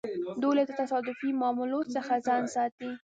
دوی له تصادفي معاملو څخه ځان ساتي.